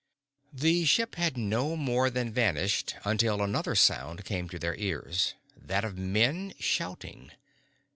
The ship had no more than vanished until another sound came to their ears, that of men shouting.